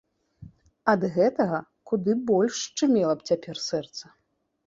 Ад гэтага куды больш шчымела б цяпер сэрца.